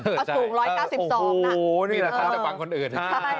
พอสูง๑๙๒นะนี่แหละท่านจะฟังคนอื่น